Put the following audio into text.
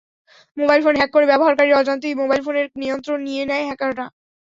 Mobile phone hack করে ব্যবহারকারীর অজান্তেই মোবাইল ফোনের নিয়ন্ত্রণ নিয়ে নেয় হ্যাকাররা।